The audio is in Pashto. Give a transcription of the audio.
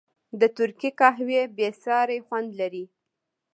د ترکي قهوه بېساری خوند لري.